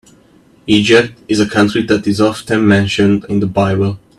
Egypt is a country that is often mentioned in the Bible.